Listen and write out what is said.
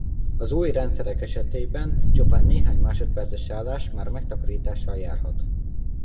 Az új rendszerek esetében csupán néhány másodperces leállás már megtakarítással járhat.